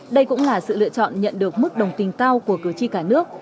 đây cũng là sự lựa chọn nhận được mức đồng tình cao của cử tri cả nước